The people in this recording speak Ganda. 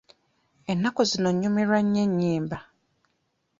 Ennaku zino nnyumirwa nnyo ennyimba.